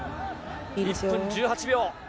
１分１８秒。